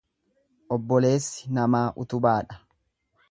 Obboleessi namaa utubaadha.